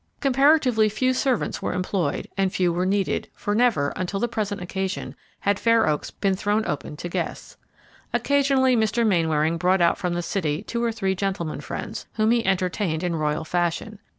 Comparatively few servants were employed and few were needed, for never, until the present occasion, had Fair Oaks been thrown open to guests. Occasionally Mr. Mainwaring brought out from the city two or three gentleman friends, whom he entertained in royal fashion.